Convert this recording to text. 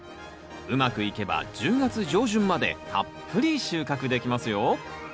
うまくいけば１０月上旬までたっぷり収穫できますよ。